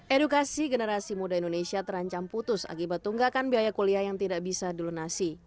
edukasi generasi muda indonesia terancam putus akibat tunggakan biaya kuliah yang tidak bisa dilunasi